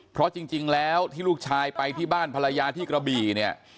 เพราะจริงแล้วที่ลูกชายไปที่บ้านภรรยาที่กระบี่เนี่ย